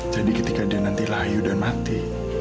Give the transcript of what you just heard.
ketika dia nanti layu dan mati